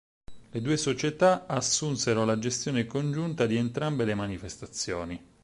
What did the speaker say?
Le due società assunsero la gestione congiunta di entrambe le manifestazioni.